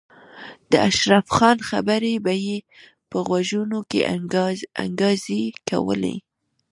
د اشرف خان خبرې به یې په غوږونو کې انګازې کولې